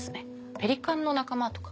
ペリカンの仲間とか。